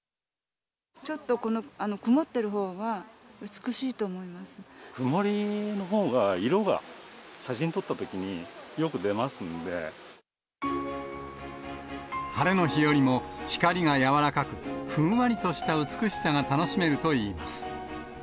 ちょっとこの曇ってるほうが曇りのほうが、色が、写真撮晴れの日よりも光が柔らかく、ふんわりとした美しさが楽しめるといいます。